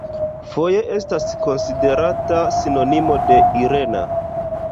Foje estas konsiderata sinonimo de "Irena".